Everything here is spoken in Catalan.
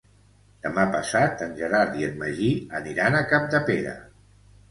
Demà passat en Gerard i en Magí aniran a Capdepera.